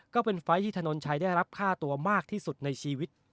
ก็เป็นไฟล์ที่ถนนชัยได้รับค่าตัวมากที่สุดในชีวิต